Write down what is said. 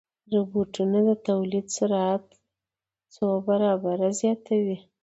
روبوټونه د تولید سرعت څو برابره زیاتوي.